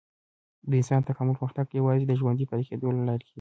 د انسان د تکامل پرمختګ یوازې د ژوندي پاتې کېدو له لارې کېږي.